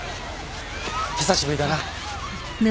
久しぶりだな。